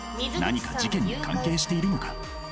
何か事件に関係しているのか？